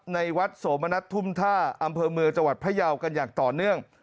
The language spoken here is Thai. ในวัดสมณัฐทุ่มท่าอำเภอมือจพระเยาค์กันอย่างต่อเนื่อง